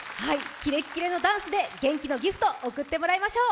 キレッキレのダンスで元気のＧＩＦＴ贈ってもらいましょう。